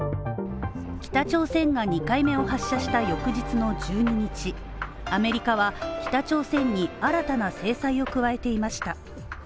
北朝鮮が２回目を発射した翌日の１２日、アメリカは北朝鮮に新たな制裁を加えていました。